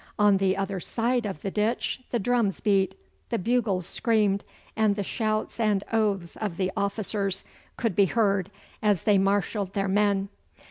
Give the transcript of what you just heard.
On the other side of the ditch the drums beat, the bugles screamed, and the shouts and oaths of the officers could be heard as they marshalled their men.